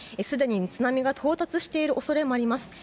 すでに津波が到達している恐れもあります。